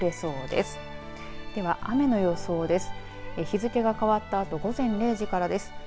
では雨の予想です。